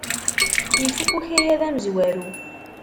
Ifuk ukayad amezwaru!